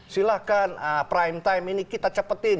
silahkan prime time ini kita cepetin